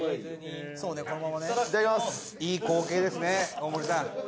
伊達：いい光景ですね大森さん。